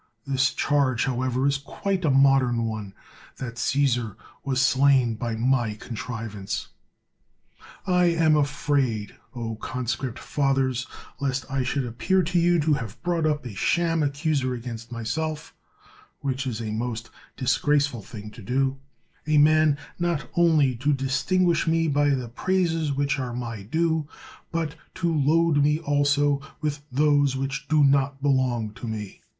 This charge, however, is quite a modern one : that Caesar was slain by my contrivance. I am afraid, O con script fathers, lest I should appear to you to have brought up a sham accuser against myself (which is a most disgraceful thing to do) ; a man not only to distinguish me by the praises which are my due, but to load me also with thosfe which do not belong to me.